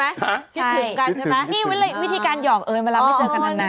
อันนี้คิดถึงกันใช่ไหมฮะคิดถึงกันใช่ไหม